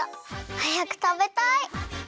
はやくたべたい！